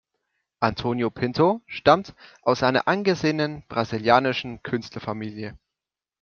Antonio Pinto stammt aus einer angesehenen brasilianischen Künstler-Familie.